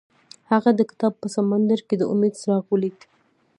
هغه د کتاب په سمندر کې د امید څراغ ولید.